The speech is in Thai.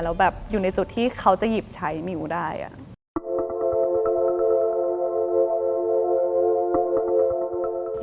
แล้วแบบอยู่ในจุดที่เขาจะหยิบใช้มิวได้อ่ะ